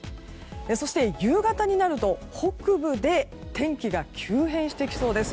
そして夕方になると北部で天気が急変してきそうです。